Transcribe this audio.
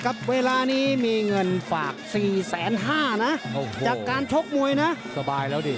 เวลานี้มีเงินฝากสี่แสนห้านะจากการชกมวยนะสบายแล้วดิ